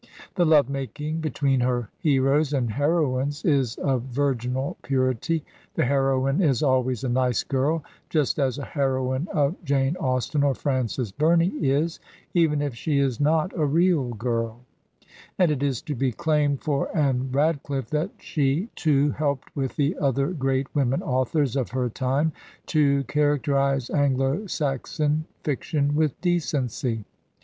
The love making between her heroes and her oines is of virginal purity; the heroine is always a Nice Girl, just as a heroine of Jane Austen or Frances Bumey is, even if she is not a Real Q ixSTT^d it is to be claimed for Anne Radcliffe that she too helped with the other great women authors of her time to characterize Anglo Saxon fiction with decency.